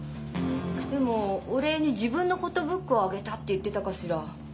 でもお礼に自分のフォトブックをあげたって言ってたかしら。